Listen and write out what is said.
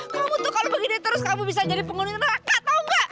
kamu tuh kalau begini terus kamu bisa jadi penghuni rakyat tau gak